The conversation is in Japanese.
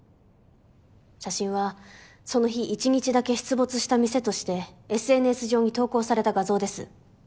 写真はその日１日だけ出没した店としてＳＮＳ上に投稿された画像です。